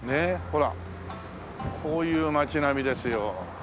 ほらこういう街並みですよ。